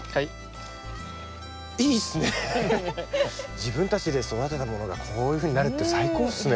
自分たちで育てたものがこういうふうになるって最高っすね